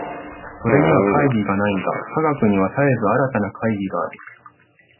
それには懐疑がないが、科学には絶えず新たな懐疑がある。